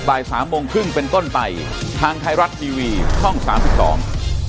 บ่ายสามโมงครึ่งเป็นต้นไปทางไทยรัฐทีวีช่องสามสิบสอง